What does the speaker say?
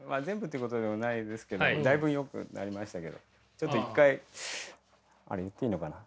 ちょっと一回あれ言っていいのかな。